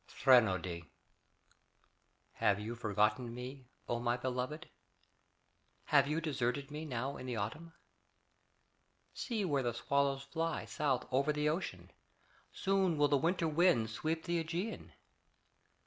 THRENODY Have you forgotten me, O my beloved? Have you deserted me Now in the autumn? See where the swallows fly South o'er the ocean: Soon will the winter wind Sweep the Ægean.